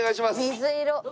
水色。